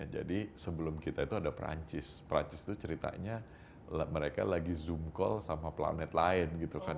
jadi sebelum kita itu ada perancis perancis itu ceritanya mereka lagi zoom call sama planet lain